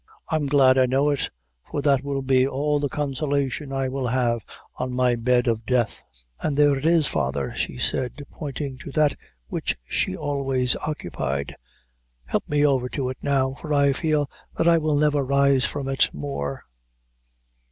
I'm glad I know it, for that will be all the consolation I will have on my bed of death an' there it is, father," she said, pointing to that which she always occupied; "help me over to it now, for I feel that I will never rise from it more."